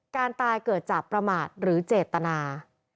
การตายเกิดจากประมาทหรือเจตนา